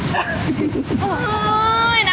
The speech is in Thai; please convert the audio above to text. คุณพ่อมด้า